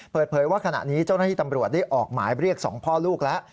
เปิดเผยว่าขณะนี้เจ้าหน้าที่ตำรวจได้ออกหมายเรียก๒พ่อลูกแล้ว